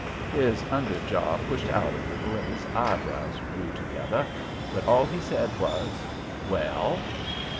His under jaw pushed out a little and his eyebrows drew together. But all he said was, "Well?"